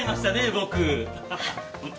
僕。